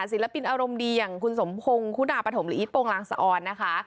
ศิลปินอารมณ์ดีอย่างคุณสมพงศ์คุณาปฐมหรืออีทโปรงลางสะออนนะคะ